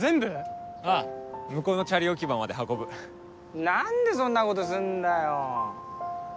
向こうのチャリ置き場まで運ぶ何でそんなことすんだよ